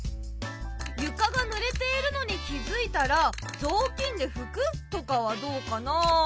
「床がぬれているのに気付いたらぞうきんでふく」とかはどうかな？